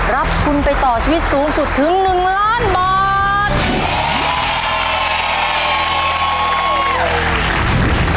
รับทุนไปต่อชีวิตสูงสุดถึง๑ล้านบาท